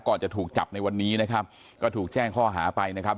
จะถูกจับในวันนี้นะครับก็ถูกแจ้งข้อหาไปนะครับ